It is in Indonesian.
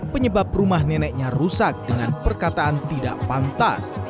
penyebab rumah neneknya rusak dengan perkataan tidak pantas